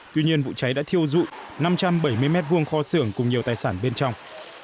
tuy nhiên vụ cháy đã thiêu dụ năm trăm bảy mươi mét vuông kho xưởng cùng nhiều tài sản bên trong